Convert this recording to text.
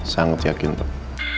sangat yakin pak